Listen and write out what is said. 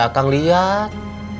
ya akan lihat